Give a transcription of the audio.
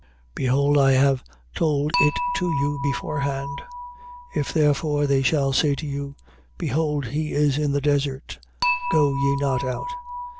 24:25. Behold I have told it to you, beforehand. 24:26. If therefore they shall say to you, Behold he is in the desert: go ye not out.